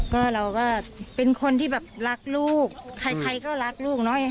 ก็เราก็เป็นคนที่แบบรักลูกใครก็รักลูกเนอะ